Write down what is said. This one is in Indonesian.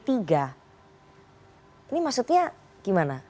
ini maksudnya gimana